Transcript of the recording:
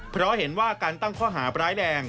เพราะเห็นว่าการตั้งข้อหาร้ายแรง